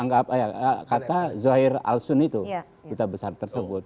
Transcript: anggap kata zohair alsun itu duta besar tersebut